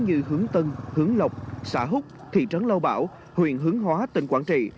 như hướng tân hướng lộc xã húc thị trấn lâu bảo huyện hướng hóa tỉnh quảng trị